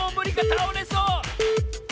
たおれそう！